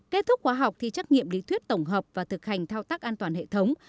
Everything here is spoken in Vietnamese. kết thúc khóa học thì trắc nghiệm lý thuyết tổng hợp và thực hành thao tác an toàn hệ thống